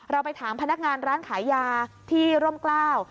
ไปถามพนักงานร้านขายยาที่ร่มกล้าว